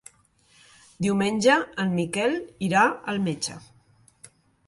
Diumenge en Miquel irà al metge.